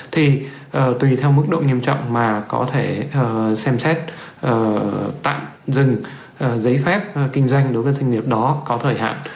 thì tùy theo mức độ nghiêm trọng mà có thể xem xét tạm dừng giấy phép kinh doanh đối với doanh nghiệp đó có thời hạn